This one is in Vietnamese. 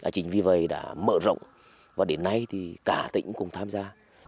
chính vì vậy đã mở rộng và đến nay thì cả tỉnh cũng tham gia